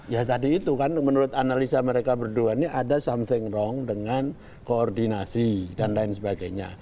ya tadi itu kan menurut analisa mereka berdua ini ada something wrong dengan koordinasi dan lain sebagainya